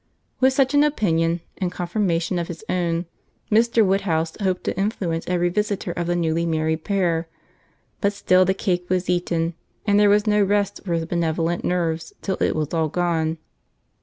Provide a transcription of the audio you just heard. With such an opinion, in confirmation of his own, Mr. Woodhouse hoped to influence every visitor of the newly married pair; but still the cake was eaten; and there was no rest for his benevolent nerves till it was all gone.